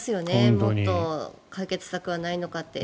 もっと解決策はないのかって。